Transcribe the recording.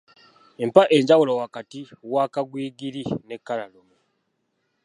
Mpa enjawulo wakati wa kagwigiri n’ekkalalume.